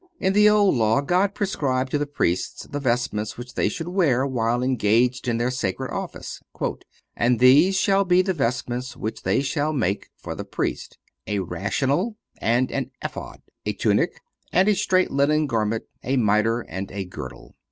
In the Old Law God prescribed to the Priests the vestments which they should wear while engaged in their sacred office: "And these shall be the vestments which they shall make (for the Priest): a rational and an ephod, a tunic and a straight linen garment, a mitre and a girdle.